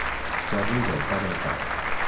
Fer-li voltar el cap.